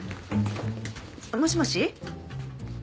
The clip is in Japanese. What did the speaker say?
もしもし。